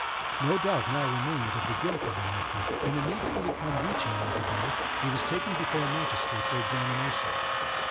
No doubt now remained of the guilt of the nephew, and immediately upon reaching Rattleborough he was taken before a magistrate for examination.